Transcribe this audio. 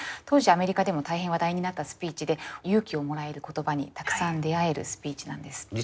当時アメリカでも大変話題になったスピーチで勇気をもらえる言葉にたくさん出会えるスピーチなんです。